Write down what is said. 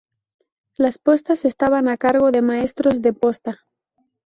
Las postas estaban a cargo de maestros de posta.